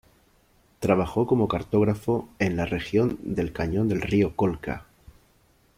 Trabajó como cartógrafo en la región del cañón del río Colca.